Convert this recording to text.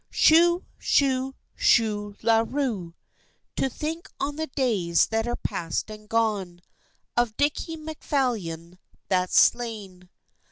Shoo, shoo, shoolaroo, To think on the days that are past and gone, Of Dickie Macphalion that's slain.